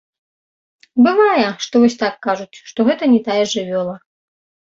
Бывае, што вось так кажуць, што гэта не тая жывёла.